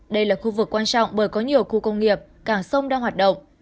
đây là khu vực quan trọng bởi có nhiều khu công nghiệp cảng sông đang hoạt động